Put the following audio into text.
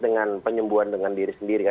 dengan penyembuhan dengan diri sendiri